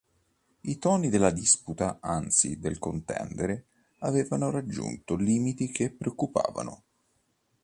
I toni della disputa, anzi del contendere, avevano raggiunto limiti che preoccupavano.